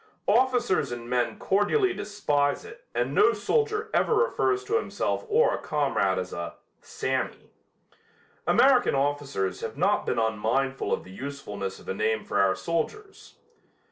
Officers and men cordially despise it and no soldier ever refers to himself or a comrade as a "Sammy." American officers have not been unmindful of the usefulness of a name for our soldiers.